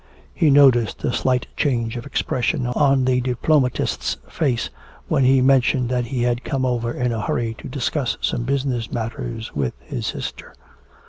He noticed a slight change of expression on the diplomatist's face when he mentioned that he had come over in a hurry to discuss some business matters with his sister.